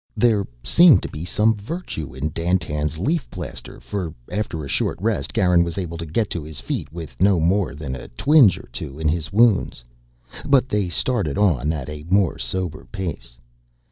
There seemed to be some virtue in Dandtan's leaf plaster for, after a short rest, Garin was able to get to his feet with no more than a twinge or two in his wounds. But they started on at a more sober pace.